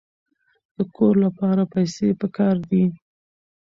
د کور لپاره پیسې پکار دي.